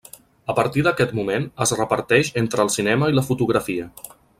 A partir d'aquest moment es reparteix entre el cinema i la fotografia.